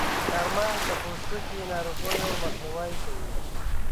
چارمغز د پوستکي د ناروغیو مخنیوی کوي.